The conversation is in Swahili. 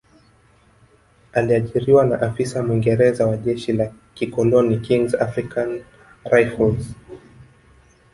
Aliajiriwa na afisa Mwingereza wa jeshi la kikoloni Kings African Rifles